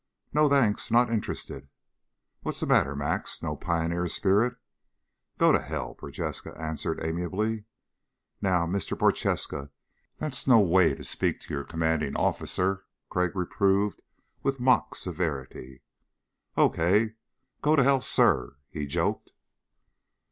"No thanks. Not interested." "What's the matter, Max, no pioneer spirit?" "Go to hell," Prochaska answered amiably. "Now, Mr. Prochaska, that's no way to speak to your commanding officer," Crag reproved with mock severity. "Okay. Go to hell, Sir," he joked.